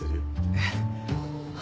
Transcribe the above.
えっ？